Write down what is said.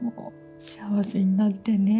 幸せになってね。